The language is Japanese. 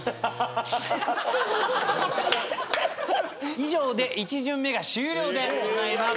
以上で１巡目が終了でございます。